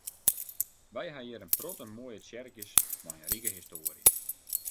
Wy ha hjir in protte moaie tsjerkjes mei in rike histoarje.